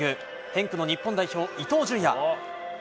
ヘンクの日本代表、伊東純也。